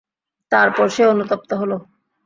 তারপর সে অনুতপ্ত হলো।